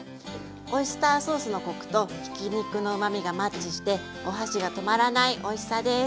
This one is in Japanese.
オイスターソースのコクとひき肉のうまみがマッチしてお箸が止まらないおいしさです。